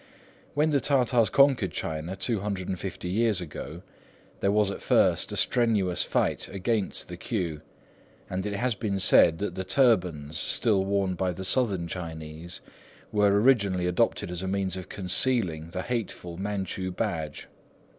When the Tartars conquered China two hundred and fifty years ago, there was at first a strenuous fight against the queue, and it has been said that the turbans still worn by the Southern Chinese were originally adopted as a means of concealing the hateful Manchu badge.